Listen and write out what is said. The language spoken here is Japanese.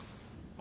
あ。